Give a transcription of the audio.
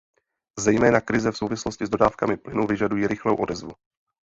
Zejména krize v souvislosti s dodávkami plynu vyžadují rychlou odezvu.